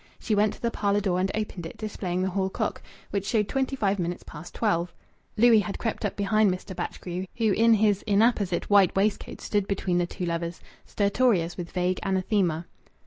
She went to the parlour door and opened it, displaying the hall clock, which showed twenty five minutes past twelve. Louis had crept up behind Mr. Batchgrew, who in his inapposite white waistcoat stood between the two lovers, stertorous with vague anathema.